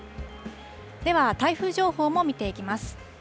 では、台風情報も見ていきます。